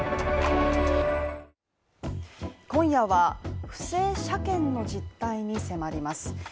今夜は不正車検の実態に迫ります。